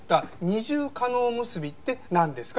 二重叶結びってなんですか？